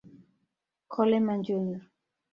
Coleman Jr.